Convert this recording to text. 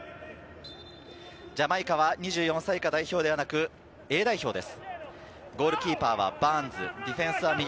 ジャマイカは２４歳以下代表ではなく、Ａ代表です。